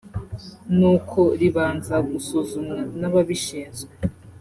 ni uko ribanza gusuzumwa n’ababishinzwe